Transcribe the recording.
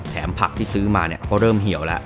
แถมผักที่ซื้อมาก็เริ่มเหี่ยวละ